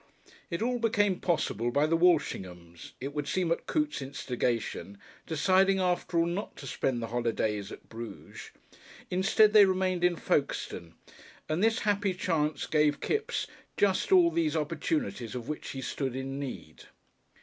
It all became possible by the Walshinghams it would seem at Coote's instigation deciding, after all, not to spend the holidays at Bruges. Instead, they remained in Folkestone, and this happy chance gave Kipps just all these opportunities of which he stood in need.